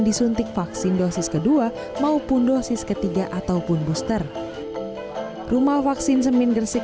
disuntik vaksin dosis kedua maupun dosis ketiga ataupun booster rumah vaksin semin gresik